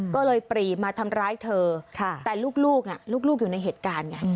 ก็เลยปรีมาทำร้ายเธอแต่ลูกลูกอยู่ในเหตุการณ์ไง